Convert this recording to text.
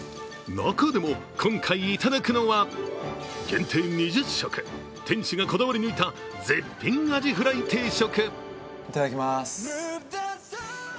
中でも、今回いただくのは限定２０食、店主がこだわり抜いた絶品アジフライ定食。